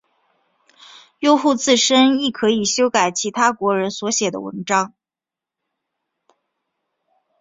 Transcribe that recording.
用户自身亦可以修改其他国人所写的文章。